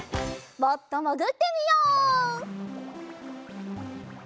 もっともぐってみよう。